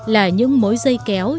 là những mối dây kéo